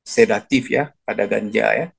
sedatif ya pada ganja ya